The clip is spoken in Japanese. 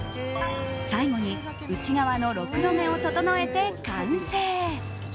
最後に、内側のろくろ目を整えて完成。